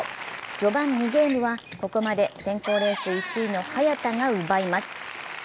序盤２ゲームはここまで選考レース１位の早田が奪います。